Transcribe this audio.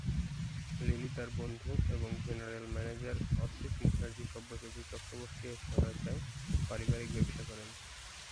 Lily তার বন্ধু এবং জেনারেল ম্যানেজার অসিত মুখার্জি সব্যসাচী চক্রবর্তী এর সহায়তায় পারিবারিক ব্যবসা করেন।